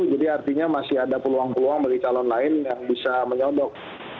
jadi artinya masih ada peluang peluang bagi calon lain yang bisa menyodok